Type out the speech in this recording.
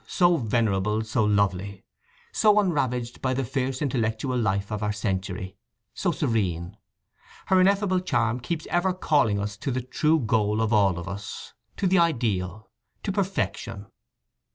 so venerable, so lovely, so unravaged by the fierce intellectual life of our century, so serene! … Her ineffable charm keeps ever calling us to the true goal of all of us, to the ideal, to perfection."